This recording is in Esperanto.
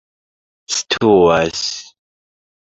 situas